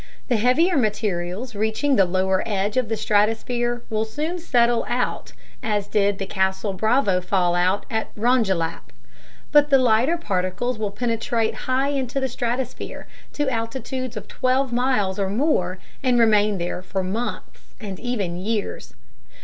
The heavier materials reaching the lower edge of the stratosphere will soon settle out, as did the Castle/Bravo fallout at Rongelap. But the lighter particles will penetrate high into the stratosphere, to altitudes of 12 miles and more, and remain there for months and even years.